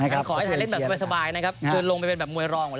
ขอให้ไทยเล่นแบบสบายนะครับโดยร่องกว่าแล้ว